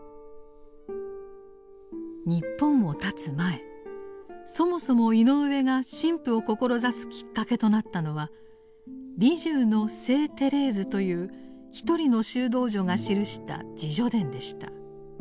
日本をたつ前そもそも井上が神父を志すきっかけとなったのは「リジュ―の聖テレーズ」という一人の修道女が記した自叙伝でした。